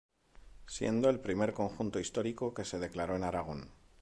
Siendo el primer conjunto histórico que se declaró en Aragón.